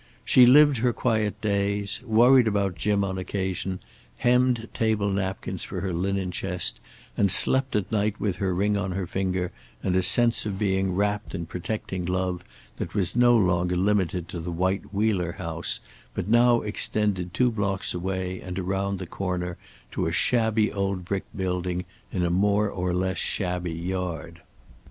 She lived her quiet days, worried about Jim on occasion, hemmed table napkins for her linen chest, and slept at night with her ring on her finger and a sense of being wrapped in protecting love that was no longer limited to the white Wheeler house, but now extended two blocks away and around the corner to a shabby old brick building in a more or less shabby yard.